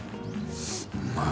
まあ